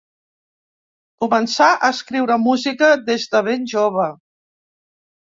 Començà a escriure música des de ben jove.